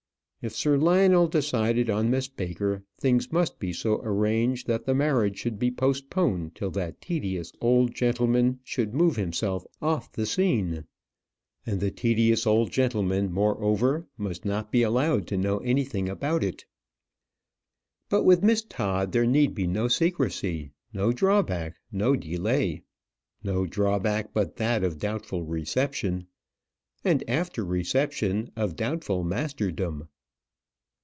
If Sir Lionel decided on Miss Baker, things must be so arranged that the marriage should be postponed till that tedious old gentleman should move himself off the scene; and the tedious old gentleman, moreover, must not be allowed to know anything about it. But with Miss Todd there need be no secrecy, no drawback, no delay no drawback but that of doubtful reception; and after reception, of doubtful masterdom.